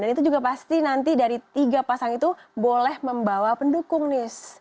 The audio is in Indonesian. dan itu juga pasti nanti dari tiga pasang itu boleh membawa pendukung nis